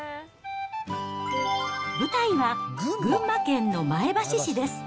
舞台は群馬県の前橋市です。